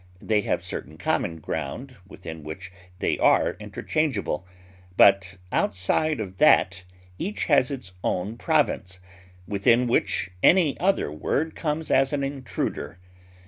They have certain common ground within which they are interchangeable; but outside of that each has its own special province, within which any other word comes as an intruder.